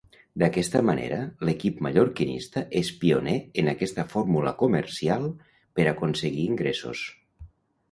D'aquesta manera l'equip mallorquinista és pioner en aquesta fórmula comercial per aconseguir ingressos.